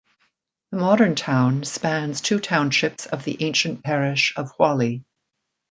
The modern town spans two townships of the ancient parish of Whalley.